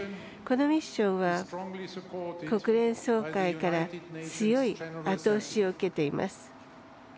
このミッションは国連総会から強い後押しを受けています。